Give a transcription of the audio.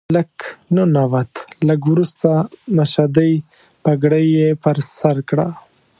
ملک ننوت، لږ وروسته مشدۍ پګړۍ یې پر سر کړه.